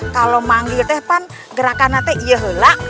kalau memanggil gerakan nanti iya lah